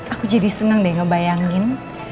aku jadi senang deh ngebayangin